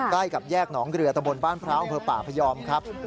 ใกล้กับแยกหนองเรือตะบนบ้านพร้าวอำเภอป่าพยอมครับ